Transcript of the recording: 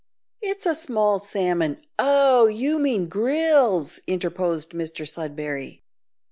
"It is a small salmon " "Oh! you mean a grilse," interposed Mr Sudberry.